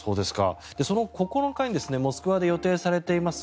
その９日にモスクワで予定されています